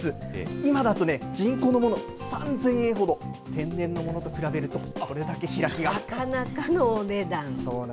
今だとね、人工のもの、３０００円ほど、天然のものと比べると、なかなかのお値段。